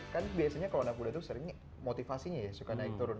kan biasanya kalau anak muda itu sering motivasinya ya suka naik turun